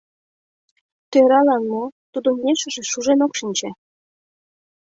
Тӧралан мо, тудын ешыже шужен ок шинче.